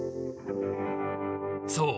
そう。